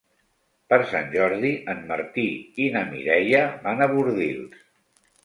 Per Sant Jordi en Martí i na Mireia van a Bordils.